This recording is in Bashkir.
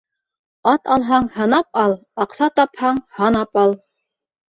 Ат алһаң, һынап ал; аҡса тапһаң, һанап ал.